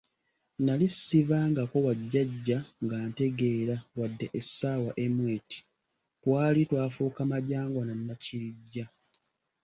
Nnali sivangako wali jjajja nga ntegeera wadde essaawa emu eti, twali twafuuka Majangwa na Nakirijja.